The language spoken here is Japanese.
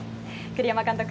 栗山監督